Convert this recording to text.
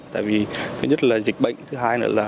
tại vì thứ nhất là dịch bệnh